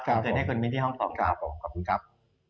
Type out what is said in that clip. ขอแค่นี้นะครับขอบคุณครับ